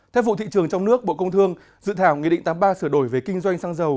theo vụ thị trường trong nước bộ công thương dự thảo nghị định tám mươi ba sửa đổi về kinh doanh xăng dầu